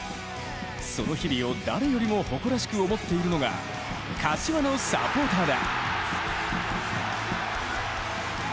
その日々を誰よりも誇らしく思っているのが柏のサポーターだ。